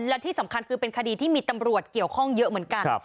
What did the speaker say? และที่สำคัญคือเป็นคดีที่มีตำรวจเกี่ยวข้องเยอะเหมือนกัน